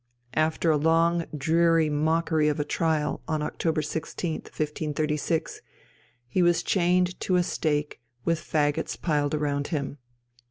After a long dreary mockery of a trial on October 16th, 1536, he was chained to a stake with faggots piled around him.